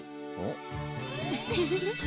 おっ？